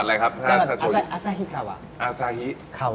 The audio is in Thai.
แล้วอันนี้อะไรครับ